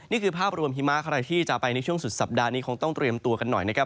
นี่คือภาพรวมหิมะใครที่จะไปในช่วงสุดสัปดาห์นี้คงต้องเตรียมตัวกันหน่อยนะครับ